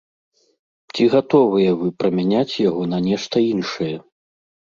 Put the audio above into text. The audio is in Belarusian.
Ці гатовыя вы прамяняць яго на нешта іншае?